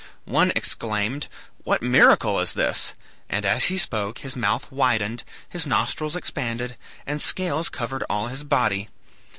One exclaimed, 'What miracle is this!' and as he spoke his mouth widened, his nostrils expanded, and scales covered all his body.